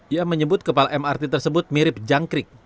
ia menyebut kepala mrt tersebut mirip jangkrik